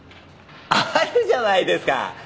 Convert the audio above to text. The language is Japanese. あるじゃないですか。